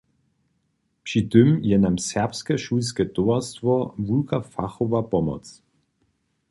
Při tym je nam Serbske šulske towarstwo wulka fachowa pomoc.